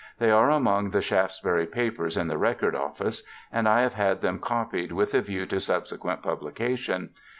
They are among the Shaftesbury papers in the Record Office, and I have had them copied with a view to subsequent publication.